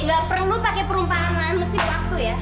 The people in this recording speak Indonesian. gak perlu pakai perumpamaan mesin waktu ya